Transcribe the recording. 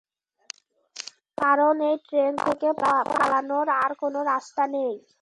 কারণ, এই ট্রেন থেকে পালানোর আর কোনো রাস্তা নেই!